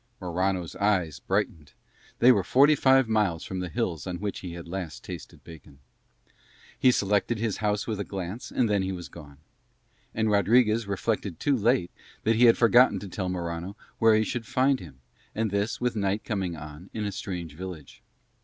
Morano's eyes brightened: they were forty five miles from the hills on which he had last tasted bacon. He selected his house with a glance, and then he was gone. And Rodriguez reflected too late that he had forgotten to tell Morano where he should find him, and this with night coming on in a strange village.